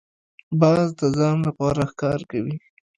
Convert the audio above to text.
باز د ځان لپاره ښکار کوي